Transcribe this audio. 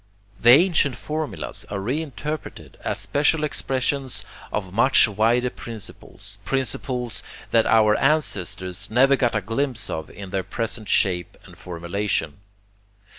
The ancient formulas are reinterpreted as special expressions of much wider principles, principles that our ancestors never got a glimpse of in their present shape and formulation.